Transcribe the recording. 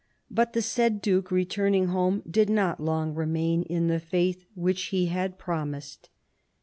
But the said duke returning home did not long remain in the faith which he had promised."